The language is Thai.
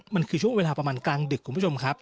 มันคือช่วงเวลาประมาณกลางดึกคุณผู้ชมครับ